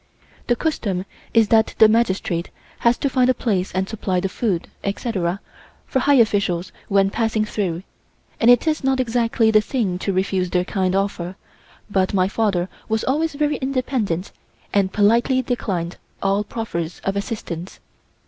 The custom is that the magistrate has to find a place and supply the food, etc., for high officials when passing through, and it is not exactly the thing to refuse their kind offer, but my father was always very independent and politely declined all proffers of assistance.